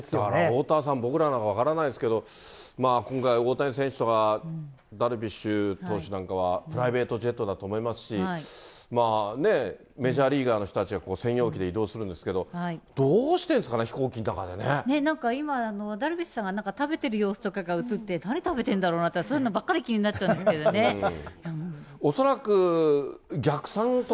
おおたわさん、僕らも分からないですけど、今回、大谷選手とか、ダルビッシュ投手なんかはプライベートジェットだと思いますし、メジャーリーガーの人たちは専用機で移動するんですけど、どうしてるんですかね、なんか今、ダルビッシュさんがなんか食べてる様子が映って、何食べてるんだろうなとか、そういうのばっかり気になっちゃうん恐らく逆算とか。